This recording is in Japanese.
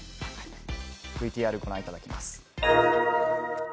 ＶＴＲ、ご覧いただきます。